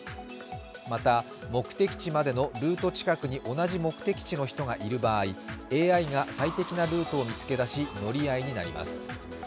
また、目的地までのルート近くに同じ目的地までの人がいる場合、ＡＩが最適なルートを割り出し、乗り合いになります。